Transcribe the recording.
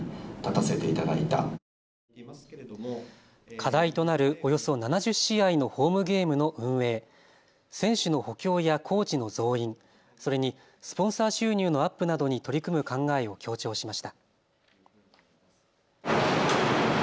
課題となるおよそ７０試合のホームゲームの運営、選手の補強やコーチの増員、それにスポンサー収入のアップなどに取り組む考えを強調しました。